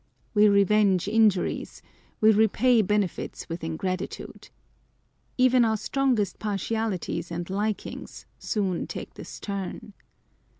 We revenge injuries : we repay benefits with ingratitude. Even our strongest partialities and likings soon take this turn.